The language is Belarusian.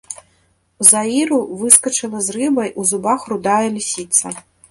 З аіру выскачыла з рыбай у зубах рудая лісіца.